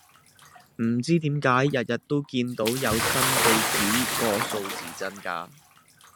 唔知點解日日都有見到新句子個數字增加